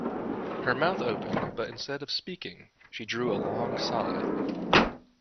Her mouth opened, but instead of speaking she drew a long sigh.